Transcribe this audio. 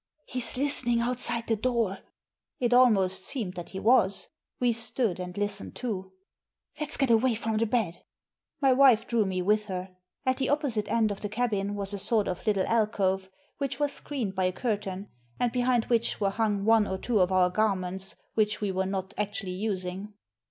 "He's listening outside the door." It almost seemed that he was. We stood and listened too. "Let's get away from the bed." My wife drew me with her. At the opposite end of the cabin was a sort of little alcove, which was screened by a curtain, and behind which were hung one or two of our garments which we were not actually using.